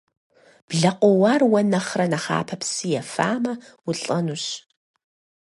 Блэ къоуар уэ нэхърэ нэхъапэ псы ефамэ, улӏэнущ.